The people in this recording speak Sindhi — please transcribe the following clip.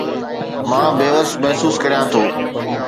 مان بيوس محسوس ڪريان ٿو